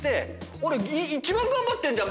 俺一番頑張ってんじゃん！